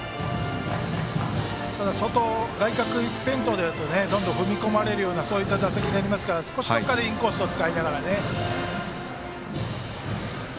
ただ外角一辺倒だとどんどん踏み込まれるような打席になりますから少しインコースを使いながらね。